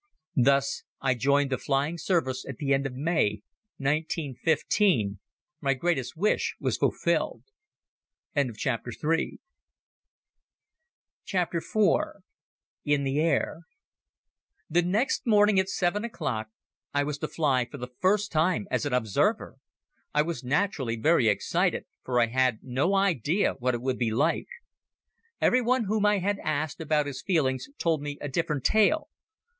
Thus I joined the Flying Service at the end of May, 1915. My greatest wish was fulfilled. IV In the Air THE next morning at seven o'clock I was to fly for the first time as an observer! I was naturally very excited, for I had no idea what it would be like. Everyone whom I had asked about his feelings told me a different tale.